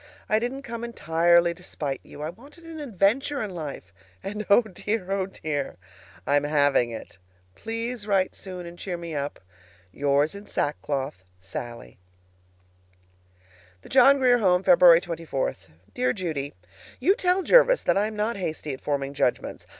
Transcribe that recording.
I didn't come entirely to spite you. I wanted an adventure in life, and, oh dear! oh dear! I'm having it! PLEASE write soon, and cheer me up. Yours in sackcloth, SALLIE. THE JOHN GRIER HOME, February 24. Dear Judy: You tell Jervis that I am not hasty at forming judgments.